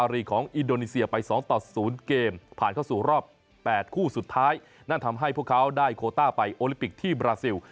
รอบ๘คู่สุดท้ายนั่นทำให้พวกเขาได้โคต้าไปโอลิปิกที่บราซิล